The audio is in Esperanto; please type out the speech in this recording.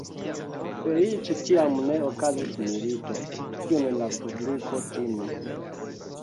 Feliĉe tiam ne okazis milito, kiun la publiko timis.